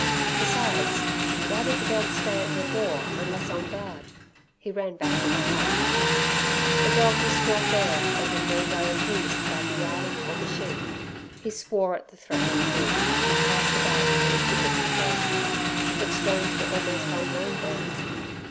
Besides, why did the dog stay at the door unless on guard? He ran back to the hut. The dog was still there, and in no way appeased by the yarding or the sheep. He swore at the threatening brute, and cast about for a gibber to throw, but stones were almost unknown there.